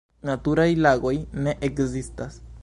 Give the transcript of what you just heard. Naturaj lagoj ne ekzistas.